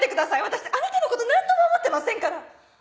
私あなたのこと何とも思ってませんから！